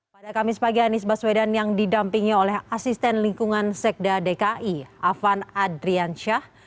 pada kamis pagi anies baswedan yang didampingi oleh asisten lingkungan sekda dki afan adrian syah